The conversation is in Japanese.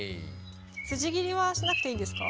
筋切りはしなくていいんですか？